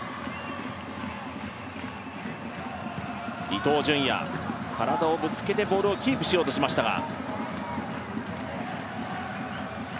伊東純也、体をぶつけてボールをキープしようとしましたが。